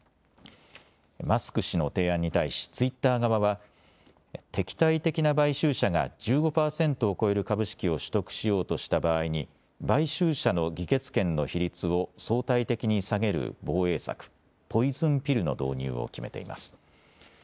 マスク氏の提案に対しツイッター側は敵対的な買収者が１５％を超える株式を取得しようとした場合に買収者の議決権の比率を相対的に下げる防衛策、ポイズンピルの導入を決めています。